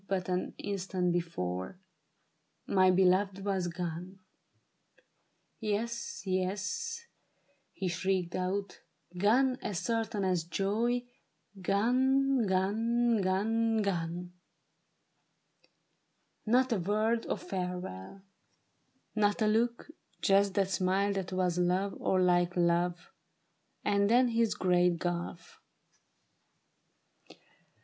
But an instant before) my beloved was gone ! Yes, yes," he shrieked out, " gone as certain as joy — Gone, gone, gone, gone ! Not a word of farewell, A TRAGEDY OF SEDAN. 71 Not a look : just that smile that was love, or like love, And then this great gulf.